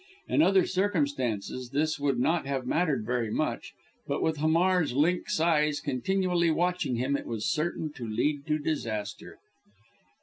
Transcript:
In other circumstances this would not have mattered very much, but with Hamar's lynx eyes continually watching him, it was certain to lead to disaster.